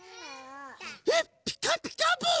えっ「ピカピカブ！」。